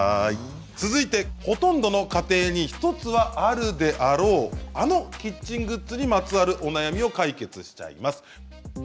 続いてほとんどの家庭に１つはあるであろうあのキッチングッズにまつわるお悩みを解決しちゃいます。